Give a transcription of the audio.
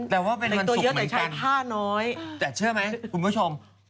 แต่ว่าเป็นวันศุกร์เหมือนกันแต่งตัวเยอะแต่ใช้ผ้าน้อยแต่เชื่อไหมคุณผู้ชม